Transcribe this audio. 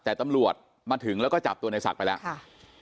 แต่ตำรวจมาถึงแล้วก็จับตัวในศักดิ์ไปแล้วค่ะ